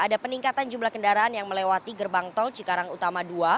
ada peningkatan jumlah kendaraan yang melewati gerbang tol cikarang utama dua